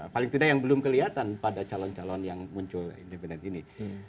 paling tidak yang belum kelihatan pada calon calon yang muncul independen ini